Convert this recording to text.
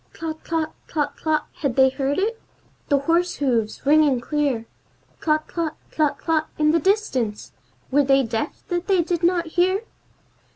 Tlot tlot, tlot tlot! Had they heard it? The horse hooves, ringing clear; Tlot tlot, tlot tlot, in the distance! Were they deaf that they did not hear?